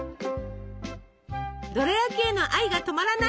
ドラやきへの愛が止まらない！